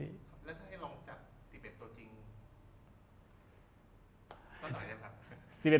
แล้วถ้าให้ลองจัด๑๑ตัวจริง